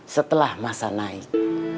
setelah masa naik